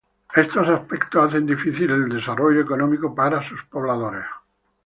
Estos aspectos hacen difícil el desarrollo económico para sus pobladores.